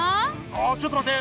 ああちょっと待って！